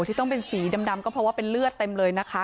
ที่ต้องเป็นสีดำก็เพราะว่าเป็นเลือดเต็มเลยนะคะ